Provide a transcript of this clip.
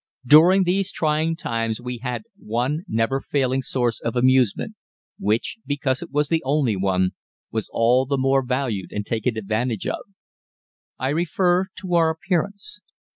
During these trying times we had one never failing source of amusement, which, because it was the only one, was all the more valued and taken advantage of. I refer to our appearance.